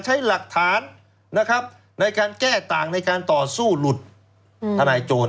ใช้หลักฐานนะครับในการแก้ต่างในการต่อสู้หลุดทนายโจร